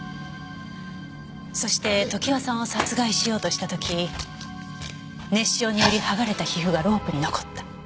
そして常盤さんを殺害しようとした時熱傷によりはがれた皮膚がロープに残った。